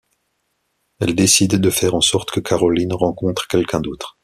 Elle décide de faire en sorte que Caroline rencontre quelqu'un d'autre.